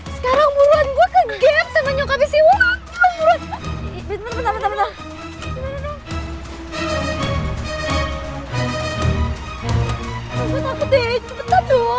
sekarang buruan gue ke bronze sama nyokap istri wuhh